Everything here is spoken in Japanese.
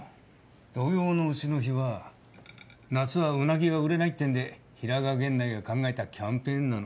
土用の丑の日は夏はウナギが売れないっていうんで平賀源内が考えたキャンペーンなの。